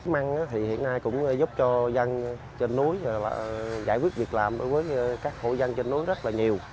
măng thì hiện nay cũng giúp cho dân trên núi là giải quyết việc làm với các hộ dân trên núi rất là nhiều